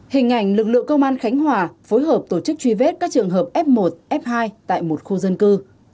hình ảnh lực lượng công an khánh hòa phối hợp tổ chức truy vết các trường hợp f một f hai tại một khu dân cư